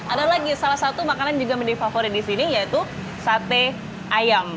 ada lagi salah satu makanan juga menjadi favorit di sini yaitu sate ayam